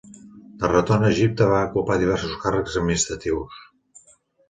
De retorn a Egipte va ocupar diversos càrrecs administratius.